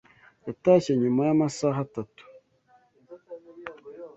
Yatashye nyuma yamasaha atatu.